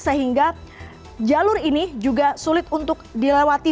sehingga jalur ini juga sulit untuk dilewati